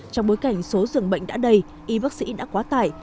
trong bối cảnh số dường bệnh đã đầy y bác sĩ đã quá tải